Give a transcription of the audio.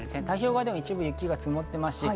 太平洋側でも一部雪が積もっています。